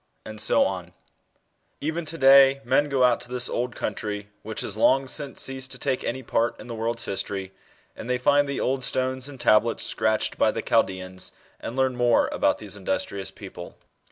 and so on. Even to day men go out to this old country, which has long since ceased to take any part in the world's history, and they find the old stones and tablets scratched by the Chaldeans, and learn more about these industrious psople.